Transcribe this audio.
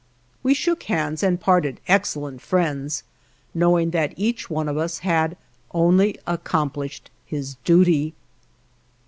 We shook hands and parted excellent friends, knowing that each one of us had only accomplished his duty.